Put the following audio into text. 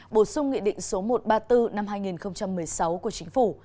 bổ sung nghị định số một trăm ba mươi bốn năm hai nghìn một mươi sáu của chính phủ